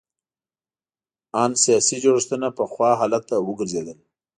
ان سیاسي جوړښتونه پخوا حالت ته وګرځېدل.